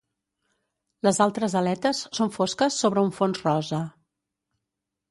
Les altres aletes són fosques sobre un fons rosa.